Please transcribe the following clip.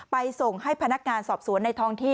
ไปส่งให้พนักงานสอบสวนในท้องที่